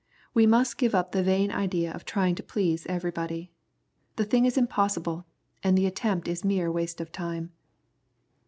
We must give up the vain idea of trying to please everybody. The thing is impossible, and the attempt is mere waste of time.